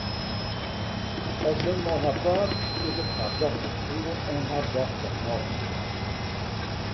As men mei har praat, is it har dochter foar en har dochter nei.